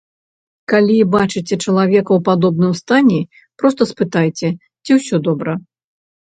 Калі бачыце чалавека ў падобным стане, проста спытайце, ці ўсё добра.